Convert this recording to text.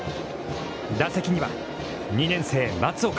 打席には２年生松岡。